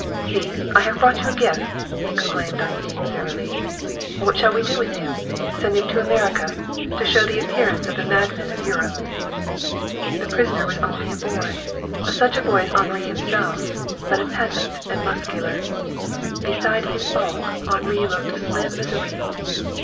"See, I have brought you a gift!" he exclaimed on seeing Sara Lee. "What shall we do with him? Send him to America? To show the appearance of the madmen of Europe?" The prisoner was only a boy, such a boy as Henri himself; but a peasant, and muscular. Beside his bulk Henri looked slim as a reed.